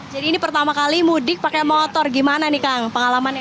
jadi ini pertama kali mudik pakai motor gimana nih kang pengalaman